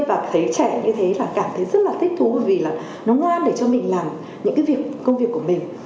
và thấy trẻ như thế là cảm thấy rất là thích thú vì là nó ngoan để cho mình làm những cái việc công việc của mình